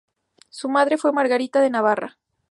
Su madre fue Margarita de Navarra.